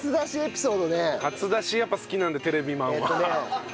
初出しやっぱ好きなんでテレビマンは。